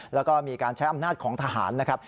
แล้วก็มีการใช้อำนาจของทหารนะครับ